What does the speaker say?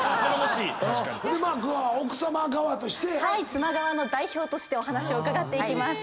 妻側の代表としてお話を伺っていきます。